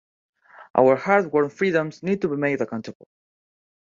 Our hard-won freedoms need to be made accountable!